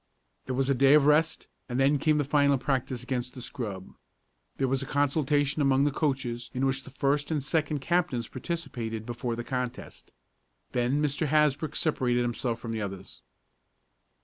There was a day of rest, and then came the final practice against the scrub. There was a consultation among the coaches in which the first and second captains participated before the contest. Then Mr. Hasbrook separated himself from the others.